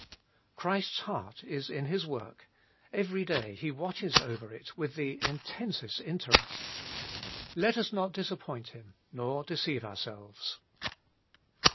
Christ's heart is in His work ; every day He watches over it with the intensest interest ; let us not disappoint Him nor deceive ourselves.